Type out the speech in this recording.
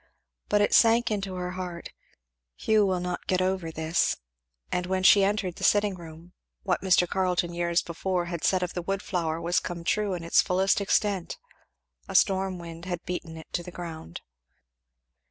But it sank into her heart, "Hugh will not get over this!" and when she entered the sitting room, what Mr. Carleton years before had said of the wood flower was come true in its fullest extent "a storm wind had beaten it to the ground."